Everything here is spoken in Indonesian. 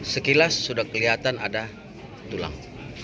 sekilas sudah kelihatan ada tulang